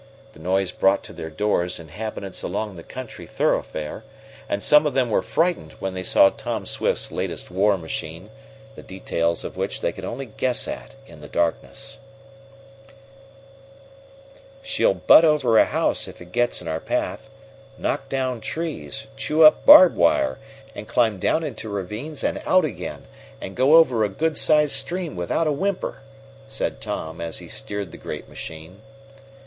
The noise brought to their doors inhabitants along the country thoroughfare, and some of them were frightened when they saw Tom Swift's latest war machine, the details of which they could only guess at in the darkness. "She'll butt over a house if it gets in her path, knock down trees, chew up barbed wire, and climb down into ravines and out again, and go over a good sized stream without a whimper," said Tom, as he steered the great machine.